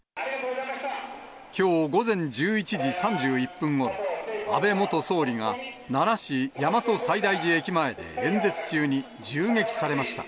きょう午前１１時３１分ごろ、安倍元総理が、奈良市大和西大寺駅前で演説中に銃撃されました。